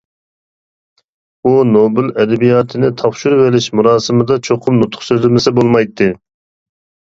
ئۇ نوبېل ئەدەبىياتىنى تاپشۇرۇۋېلىش مۇراسىمىدا چوقۇم نۇتۇق سۆزلىمىسە بولمايتتى.